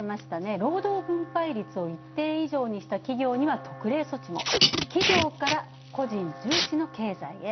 労働分配率を一定以上にした企業には特例措置も企業から個人重視の経済へ。